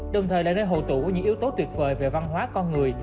đồng thời là nơi hồ tụ của những yếu tố tuyệt vời về văn hóa con người